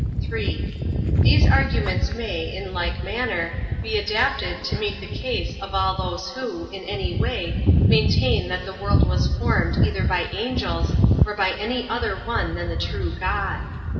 3. These arguments may, in like manner, be adapted to meet the case of all those who, in any way, maintain that the world was formed either by angels or by any other one than the true God.